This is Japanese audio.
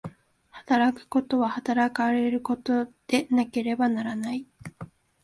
働くことは働かれることでなければならない。